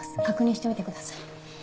確認しておいてください